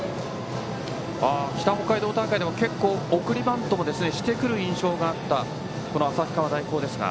北北海道大会では結構、送りバントをしてくる印象があった旭川大高ですが。